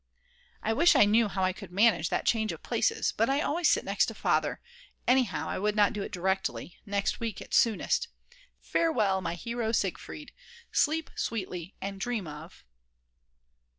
I wish I knew how I could manage that change of places, but I always sit next Father; anyhow I would not do it directly; next week at soonest. Farewell, my Hero Siegfried, sleep sweetly and dream of